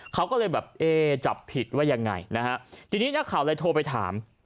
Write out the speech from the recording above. เขาก็เลยแบบเอ๊จับผิดว่ายังไงนะฮะทีนี้นักข่าวเลยโทรไปถาม